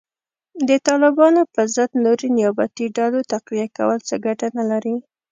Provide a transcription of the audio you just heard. د طالبانو په ضد نورې نیابتي ډلو تقویه کول څه ګټه نه لري